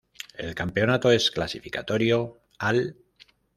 El campeonato es clasificatorio al